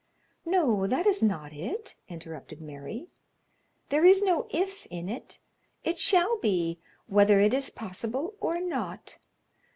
"No, that is not it," interrupted Mary. "There is no 'if' in it; it shall be, whether it is possible or not.